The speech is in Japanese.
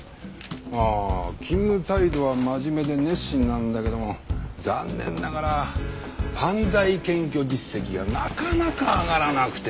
まあ勤務態度は真面目で熱心なんだけども残念ながら犯罪検挙実績がなかなか上がらなくて。